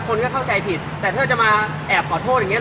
คนก็เข้าใจผิดแต่ถ้าจะมาแอบขอโทษอย่างเงี้